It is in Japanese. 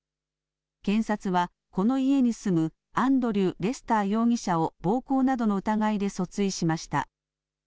検察はこの家に住むアンドリュー・レスター容疑者を暴行などの疑いで訴追しました。